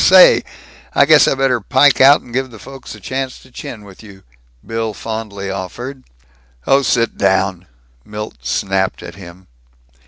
Say, I guess I better pike out and give the folks a chance to chin with you," Bill fondly offered. "Oh, sit down," Milt snapped at him.